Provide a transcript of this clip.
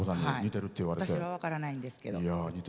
私は分からないんですけど。